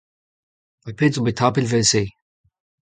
Ha pet 'zo bet tapet evel-se !